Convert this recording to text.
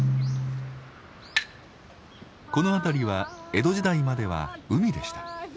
この辺りは江戸時代までは海でした。